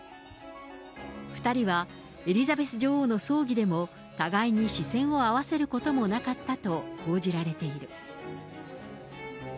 ２人はエリザベス女王の葬儀でも互いに視線を合わせることもなかったと報じられている。